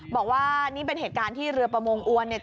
บอกว่านี่เป็นเหตุการณ์ที่เรือประมงอวนเนี่ย